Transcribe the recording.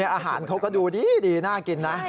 อาหารเขาก็ดูดีน่ากินนะ